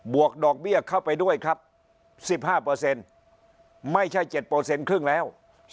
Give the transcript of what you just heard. วกดอกเบี้ยเข้าไปด้วยครับ๑๕ไม่ใช่๗ครึ่งแล้ว